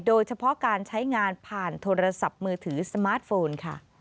โดยเฉพาะการใช้งานผ่านโทรศัพท์มือถือสมาร์ทโฟนค่ะ